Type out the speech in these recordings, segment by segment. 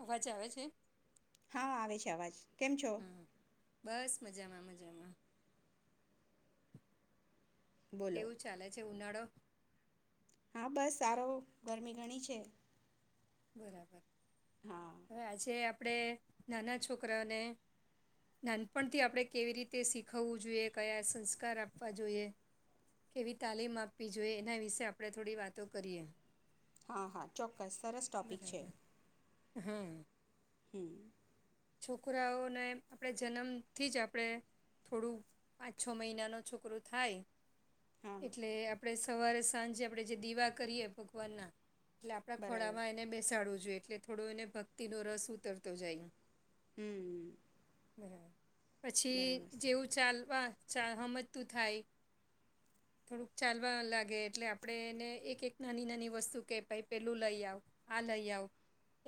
અવાજ આવે છે. હા આવે છે અવાજ કેમ છો. હમ બસ મજામાં મજામાં. બોલો કેવું ચાલે છે ઉનાળો. હા બસ સારો ગરમી ઘણી છે. બરાબર હા હવે આજે. આપણે નાના છોકરાઓને નાનપણથી આપણે કેવી રીતે શીખવવું જોઈએ કયા સંસ્કાર આપવા જોઈએ કેવી તાલીમ આપવી જોઈએ એના વિશે આપણે થોડી વાતો કરીએ. હા હા ચો. સરસ ટોપિક છે બરાબર હા હમ. છોકરાઓને આપણે જન્મથી જ આપણે થોડું પાંચ છ મહિનાનો છોકરો થાય હા એટલે આપણે સવારે સાંજે આપણે જે દીવા કરીએ ભગવાનના એટલે આપણાં બરાબર ખોડામાં એને બેસાડવું જોઈએ. એટલે થોડો એને ભક્તિ નો રસ ઉતરતો જાય. હમ હ. [inaudible] પછી જેવું ચાલવા ચા સમજતું થાય, થોડુંક ચાલવા લાગે એટલે આપણે એને એક એક નાની નાની વસ્તુ કે ભાઈ પેલું લઈ આવ, આ લઈ આવ,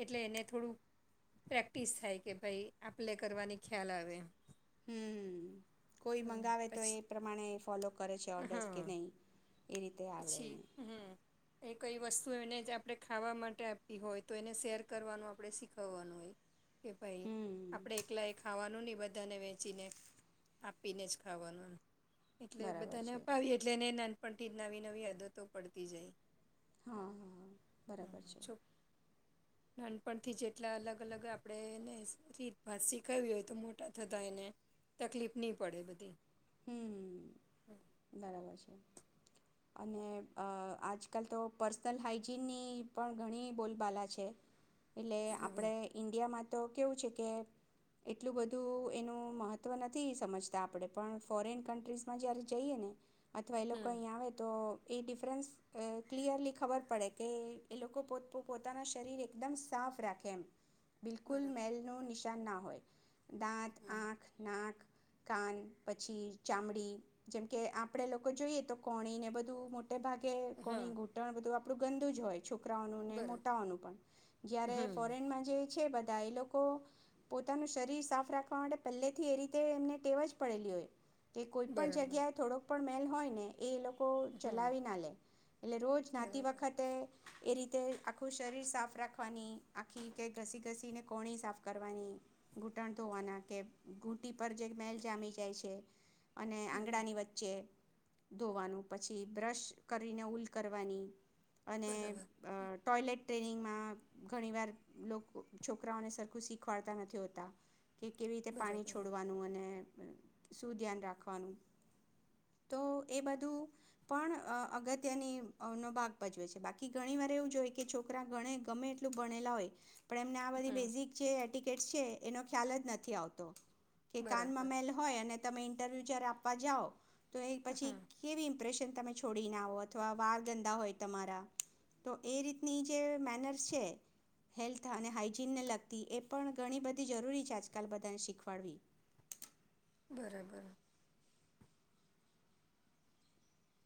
એટલે એને થોડુંક પ્રેક્ટિસ થાય. કે ભાઈ આપલે કરવાની ખ્યાલ આવે. હમ કોઈ હમ મંગાવે તો એ પછી પ્રમાણે ફોલો કરે છે ઓર્ડર્સ કે હા નહીં એ રીતે પછી આવડેને. હમ એ કઈ વસ્તુ એને જ આપણે ખાવા માટે આપી હોય તો એને શેર કરવાનું આપણે શીખવવાનું હોય. કે ભાઈ હમ આપડે એકલા એ ખાવાનું નોની બધાને વેચીને આપીને જ ખાવાનું. એટલે બરાબર બધાંને છે અપાવી એટલેને નન પણ ટે નવી નવી આદતો પડતી જાય. હા, હા હમ બરાબર છે. છો નાનપણથી જેટલાં અલગ અલગ આપણે એને શીખી શીખાવયુ હોય તો મોટા થતા એને તકલીફ નહી પડે બધી. હમ્મ બરાબર છે. અને અ આજકાલ તો પર્સનલ હાઈજીનની પણ ઘણી બોલબાલા છે. એટલે બરાબર આપણે ઇન્ડિયામાં તો કેવું છે કે એટલું બધું એનું મહત્ત્વ નથી સમજતા આપણે પણ ફોરેન કન્ટ્રીઝમાં જયારે જઈએ ને અથવા એ લોકો હમ અહીંયા આવે તો એ ડિફરન્સ ક્લિયરલી ખબર પડે કે એ લોકો પો પોતાના શરીર એકદમ સાફ રાખે એમ. બિલકુલ બરાબર મેલનો નિશા ન ના હોય. દાંત, હમ આંખ, નાક કાન પછી ચામડી જેમ કે આપડે લોકો જોઈએ તો કોણી ને બધું મો ટે ભાગે હા કોણી ઘૂટાણ બધું આપણું ગંદું જ હોય. છોકરાઓને, બરાબર મોટાઓનું પણ, જ્યારે હમ ફોરેન જે છે તા એ લોકો, પોતાનું શરીર સાફ રાખવા માટે પહેલે થી એ રીતે એમને ટેવ જ પડેલી હોય. કે કોઈ પણ બરાબર જગ્યાએ થોડોક પણ હોય ને એ લોકો હમ ચલાવી ના લે, એટલે રોજ નાતી બરાબર વખતે એ રીતે આખું શરીર સાફ રાખવાની, આખી કે ઘસી-ઘસીને કોણી સાફ કરવાની, ઘૂંટણ ધોવાના કે ઘૂંટી પર જે મેલ જામી જાય છે. અને હમ, આંગણાની વચ્ચે ધોવાનું પછી બ્રશ કરીને ઉઊલ કરવાની અને બરાબર ટોયલેટ ટ્રેનિંગમાં, ઘણી વાર લોકો છોકરાઓને સરખું શીખવાડતા નથી હોતા. કે કેવી રીતે પાણી બરાબર છોડવાનું અને શું ધ્યાન રાખવાનું, તો એ બધું પણ અગત્યનો ભાગ ભજવે છે બાકી ઘણી વાર એવું જોઈ કે છોકરા, ગમે એટલું ભણેલા હોય પણ એમને આ બધી હમ બેઝિક જે એટિકેટ્સ છે એનો ખ્યાલ જ નથી આવતો. કે બરાબર કાનમાં મેલ હોય અને ઇન્ટરવ્યુ જ્યારે આપવા જાઓ. તો એ પછી હમ કેવી ઇમ્પ્રેશન. તમે છોડીને આવો, અથવા વાળ ગંદા હોય તમારા, તો એ રીતની જે મેનર્સ છે, હેલ્થ અને હાઈજીનને લગતી એ પણ ઘણી બધી જરૂરી છે. આજકાલ બધાને શીખવાડવી, જોઈએ બરાબર.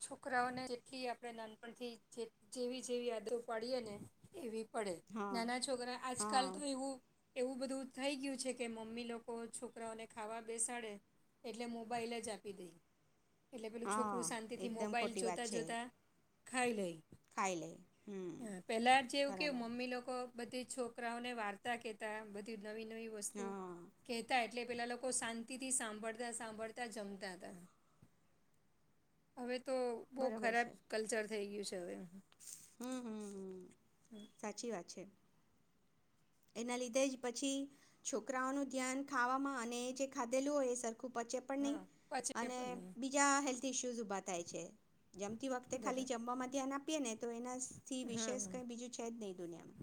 છોકરાઓને જેટલી આપડણે નાનપણથી જેવી જેવી આદતો પાડીએ ને, એવી પડે. હા નાના છોકરા આજકાલ હા તો એવું એવું બધું થઈ ગયું છે કે મમ્મી લોકો છોકરાઓને ખાવા બેસાડે, એટલે મોબાાઈલ જ આપી દઈ. એટલે પેલું હા છોકરું શાંતિ થી એકદમ મોબાઈલ ખોટી વાત છે જોતા-જોતા ખાઈ લઈ. ખાઈ લે હમ હં, પેલા જેવું કેવું બરાબર મમ્મી લોકો બધી છોકરાઓને વાર્તા કહેતા બધી નવી નવી વસ્તુ હા કહેતા એટલે પેલા લોકો શાંતિથી સાંભળતા સાંભળતા જમતા હતા. હવે તો બહુ બરાબર ખરાબ છે કલ્ચર થઈ ગયું છે. જ [unintelligible] હમ હમ હમ, સાચી વાત છે. એના લીધે જ પછી, છોકરાઓનું ધ્યાન ખાવામાં અને જે ખાધેલું હોય એ સર પચે પણ નહી, હા પછી અને પણ નહીં બીજા હે ઈસુશૂઝ ઉભા થાયે છે. જમતી વખતે બરાબર ખાલી જમવા ધ્યાન આપ પીએ ને તો એના સ તેથી હા. વિશેષકર બીજું છે જ નહીં દુનિયામાં.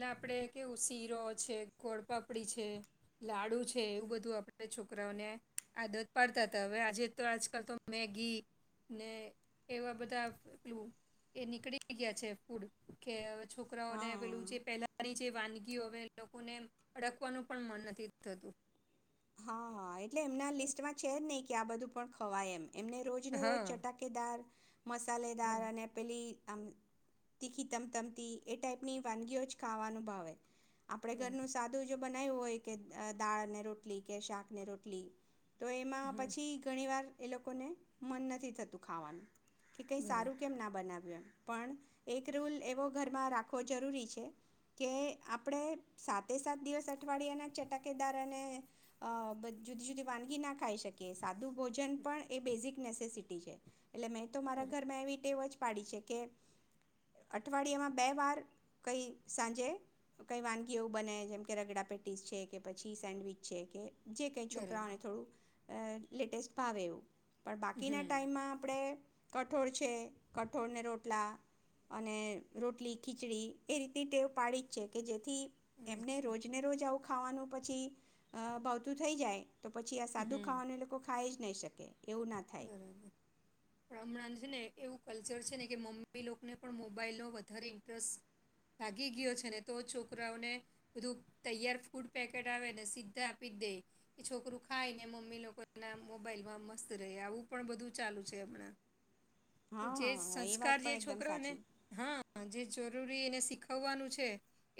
લા આપેડે કેવું શીરો છે, ગોડપાપડી છે, લાડુ છે એવું બધું આપણે છોકરાઓને આદત પાડતા હતા હવે આજે તો આજકાલ તો મેગી ને એવા બધા [unintelligible] એ નીકળી ગયા છે ફૂડ કે. છોકરાઓને હા પહેલાની જે વાનગીઓ હવે લોકોને અડકવાનું પણ મન નથી થતું. હા, હા એ. એટલે એમના લિસ્ટમાં છે જ નહીં કે આ બધું પણ ખવાય એમ. એમને રોજને રોજ હા ચટાકેદાર મસાલેેદાર હા અને પેલી તા તીખી તમતમતી એ ટાઈપની વાનગીઓ જ ખાવાનું ભાવે. આપડે બરા ઘરનું સાદું બનાવ્યું હોય કે દાળ અને રોટ લી કે શાકને રોટલી. તો એમાં હમ પછી ઘણી વાર એ લોકોને મન નથી થતું ખાવાનું. કે કઈ બરા સારું કેમ ના બનાવે. પણ એક રૂલ એવો ઘરમાં રાખવો જરૂરી છે કે આપણે સાતે સાત દિવસ અઠવાડિયાના ચટાકેદાર અને અ જુદી જુદી વાનગી ના ખાઈ શકી સાદું ભોજન પણ એ બેઝિક નેસિટી છે. એટલે મેં તો મારા બરા ઘર મે આવી તેટેવ જ પાડી છે કે અઠવાડિયામાં બે વાર કઈ સાંજે કઈ વાનગી એવું બને જેમ કે રગડા પેટીસ છે કે પછી સેન્ડવીચ જે કે. જે કં છોકરા બરાબર હ થોડું લેટેસ્ટ પાાવ એવ પણ હમ બાકીના ટાઈમમાં આપણે કટ કઠોળ છે કઠોળને રોટલા અને રોટલી ખીચડી એ રીતની ટેવ પાડી જ છે કે જેથી એમને રોજ ને રોજ આવું ખાવાનું પછી. અ ભાવતું થઈ જાય. તો પછી આ સાદુ હમ ખાવાને લોકો ખાય જ ન શકે. એવું ના થાય [inaudible] કલ્ચર છે ને કે મમ્મી લોકોને પણ મોબાઈલનો વધારે ઇન્ટરેસ્ટ ભાગી ગયો છે ને તો છોકરાઓને બધું તૈયાર ફૂડ પેકેટ આવે ને સીધા આપી જ દે એ છોકરું ખાઈને મમ્મી લોકોના મોબાઈલમાં મસ્ત ર આવું પણ બધું ચાલુ છે હમણાં. હા જે હા એ સંસ્કાર વાત જે પણ એકદમ છોકરાને સાચી હા જે જરૂરી એને શીખવવાનું છે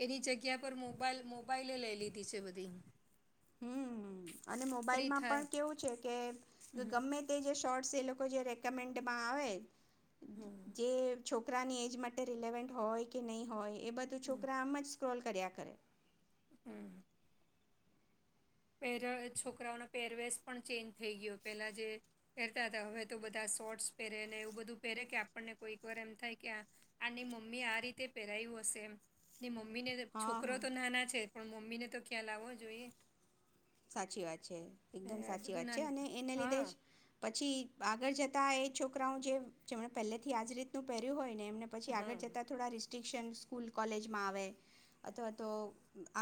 એની જગ્યા પર મોબાઈલ મોબાઈલે લઈ લીધી છે બધી હમ. અને ફ્રી મોબાાઈલમાં પણ થાય કેવું છે કે હમ ગમે તે જે શોર્ટ લોકો જે રેકમેન્ડમાં આવે હમ જે [inaudible] છોકરાની એજ માટે રિલેવન્ટ હોય કે નહીં હોય. એ બધું હમ છોકરા આમ જ સ્ક્રોલ કર્યા કરે. હમ. પહેર છોકરાઓનો પહેરવેશ પણ ચેન્જ થઈ ગયો પેલા જે પહેરતા હતા હવે તો બધા શોર્ટસ પહેરે ને એવું બધું પહેરે કે આપણને કોઈક વાર એમ થાય કે આની મમ્મી આ રીતે પહેરાયું હશે એમ મમ્મી મમ્મી ને હા છોકરો હા તો નાના છે પણ મમ્મ મમ્મી ને તો ખ્યાલ આવવો જોઈએ. સાચી વાત છે એકદમ આ સાચી વાત બધું છે ના અને એને લીધે હા જ પછી આગળ જતા એ છોકરાઓ જે જેમણે પહેલે થી આજ રીતનું પહેર્યું હોય એમને પછી હા આગળ જતા થોડા રેસ્ટ્રીક્શન સ્કૂલ કોલેજમાં આવે અથવા તો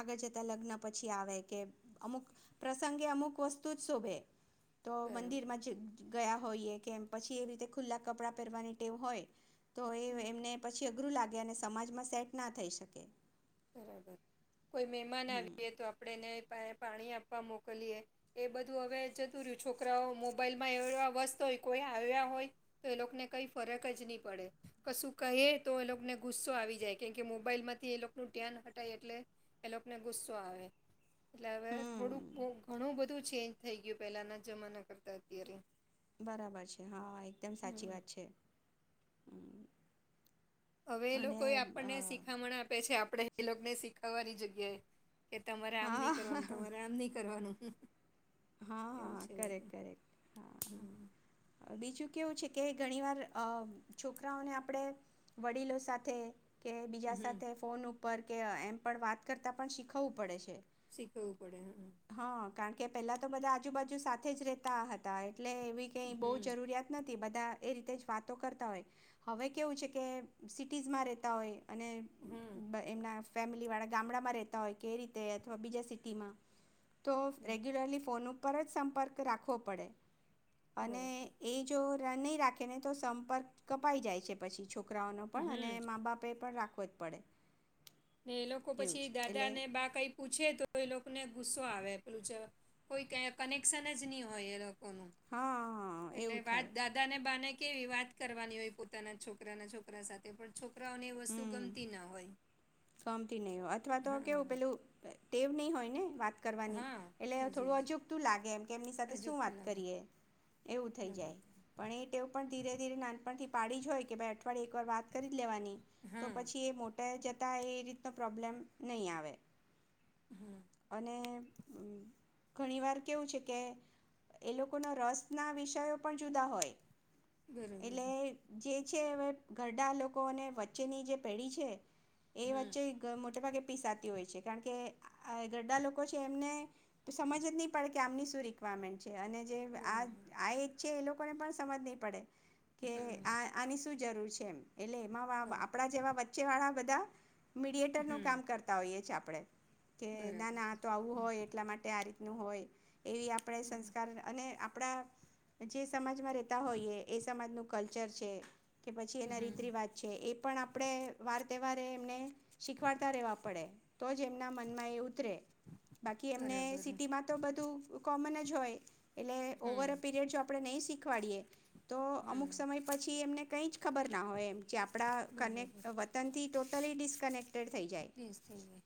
આગળ જતાં લગ્ન પછી આવે કે અમુક પ્રસંગે અમુક વસ્તુ જ શોભે. તો મંદિર બરાબર માં જે ગયા હોઈએ કેમ પછી એવી રીતે ખુલ્લા કપડાં પહેરવાની ટેવ હોય. તો એ એમને પછી અઘરું લાગે અને સમાજમાં સેટ ના થઈ શકે. [inaudible] કોઈ મહેમાન હમ આવીએ તો આપણે એને એ પાણી આપવા મોકલીએ એ બધું હવે જતું રહ્યું છોકરાઓ મોબાઈલમાં એવ એવા વસ્ત હોય કોઈ આવ્યા હોય તો એ લોકોને કંઈ ફરક જ નહીં પડે કશું કહી તો એ લોકોને ગુસ્સો આવી જાય કેમ કે મોબાઈલમાંથી એ લોકો નું ધ્યાન હટાય એટલે એ લોકોને ગુસ્સો આવે. એટલે હવે હમ થોડુંક ઘણું બધું ચેન્જ થઈ ગયું પહેલાંના જમાના કરતાં અત્યારે. બરાબર છે હા એકદમ સાચી હમ. વાત છે. હવે એ લોકો એ અને અ, આપણને શિખામણ આપે છે આપણે એ લોકેને શીખવાવાળની જગ્યાએ. કે તમારે આમ હા નહી કરવાનું તમારે આમ નહી કરવાનું. [unintelligible] હા એવું હ છે કરેક બધું કરેક હમ હા બીજું કેવું છે કે ઘણી વાર છોકરાઓને આપણેે વડીલો સાથે કે બીજા હમ સાથે ફોન ઉપ ઉપર કે એમ પણ વાત કરતાં પણ શીખવવું પડે છે. શીખવવું પડે હમ. હા કારણ કે, પેહેલા તો બધાં આજુબાજુ સાથે જ રેતા હતા એ એટલે એવી કઈ બહુ હમ જરૂરિયાત નથી બધ બધાં એ રીતે જ વાતો કરતા હોય, હવે કેવું છે કે સિટીઝમાં રહેતા હોય અને હમ એમના ફેમિલી વાળા ગામડામાં રેતા હોય કે રીતે, અથવા બીજા સિટીમાં તો હમ રેગ્યુલરલી ફોન પર સંપર્ક રાખવો પડે અને બરાબર એ જો નહી રાખે ને તો સંપર્ક કપાઈ જાય છે, પછી છોક છોકરાઓનો પણ અને હમ માઉ બાપે પણ રાખ રાખવું પડે. ને એ લોકો એવું પછી છે દાદા એટલે ને બા કઈ પૂછે તો એ લોકોને ગુસ્સો આવે પેલું, કોઈ કનેક્શન જ નહી હોય એ કો હા એટલે એવું વાત થાય દાદાને બાને કેવી વાત કરવાની હોય પોતાના છોકરાના છોકરા સાથે પણ છો કકરાઓને વસ્તુ હમ ગમતી ના હોય. ગમતી નહી હોય અથવા તો કેવું હા પેલું ટેવ નહી હોય ને! વાત કરવાની હા એટલે એજ થોડું એજ અજૂગતું લાગે એમ. કેમની સાથે શું અજુકતું વાત લાગે કરીએ? એવું થઈ જાય બરાબર પણ, એ ટેવ પણ ધીરે ધીરે નાનપણથી પાડી જ હોય કે ભાઈ અઠવાડિયે વાત કરી લેવાની તો હા પછી એ મોટા એ રીતનો પ્રોબ્લેમ નહી આવે. હા અને ઘણી વાર કેવું છે કે, એ લોકોના રસ ના વિષયો પણ જુદા હોય બરોબર એટલે જે છે હવે ઘરડા લોકો અને વચ્ચેની જે પેઢી છે. એ હમ વચ્ચે મોટે ભાગે પીસાતી હોય છે, કારણ કે ગરડા લોકો છે એમને સમજ જ નહીં પડે કે આમની શું રિક્વાયરમેન્ટ છે અને જે બરોબર આ છે એ લોકો પણ પણ સમજ ની પડે કે હમ આ આની શું જરૂર છે. એમ એટલે એમાં બરોબર આપણા જેવા વચ્ચે વાળા બધા મીડિએેરનું હમ કામ કરતા હોઈએ છીએ આપણે આપણેે કે ના બરાબર ના તો આવું હમ હોય એટલા માટે આ રીતે ન હોય એ આપણે હમ સંસ્કાર અને આપણા જે સમાજમાં રહેતા હોઈએ, એ સમાજનું કલ્ચર છે કે પછી એના રીત હમ. રિવાજ છે એ પણ આપણે વાર તેવાર તે મને શીખવાડતા રહેવા પડે, તો જ એમના મનમાં એ ઉતરે બાકી એમને બરાબર સિટીમાં તો બધું કોમન જ હોય એટલે હમ ઓવર અ પીરિયડ જો આપણે નહીં શીખએ [unintelligible] તો અમુક હમ સમય પછી એમને કંઈ જ ખબર ના હોય એમ જે આપડા કનેક્ટ વતનથી તો [inaudible] ડિસકનેક્ટ થ જાય,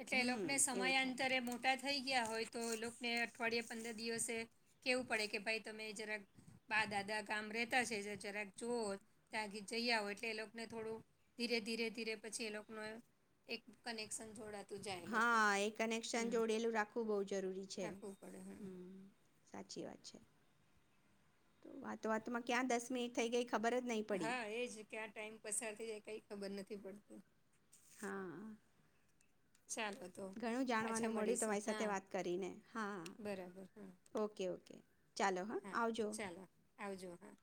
એટલે એ હમ લોકોને એવું થાય સમયાંતરે મોટા થઈ ગયા હોય, તો એ લોકોને અઠવાડે પંદર દિવસે કેવું પડે કે, ભાઈ તમે જરાક બા દાદા ગામ રેતા છે જરાક જોુઓ ત્યાં જઈયા હો, એટલે એ લોકોને થોડું ધીરે, ધીરે, ધીરે પછી એ લોકોને એક કનેક્શન જોડા હા, એ કનેક્શન જોડેલું રાખવું બહવ જરૂરી છે, રાખવું પડે હમ, સાચી વાત. વાતો વાતોમાં ક્યાં દસ મીનીટ થઈ ગઈ. ખબર જ નહીં પડી હા, એજ ક્યાં ટાઈમ પસાર થ જાય કઈ ખબર નથી પડતું હા ચાલો તો ઘણું પાછા જાણવાનું મળ્યું મળીશું તમારી સાથે હા વાત કરીને હા, બરાબર હા ઓકે ઓકે ચાલો હા આવજો. આવજો હા.